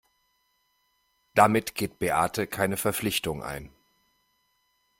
Damit geht Beate keine Verpflichtung ein.